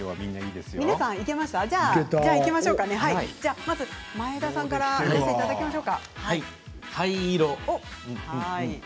では前田さんから見せていただきましょう。